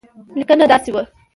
لیکنه داسې وه.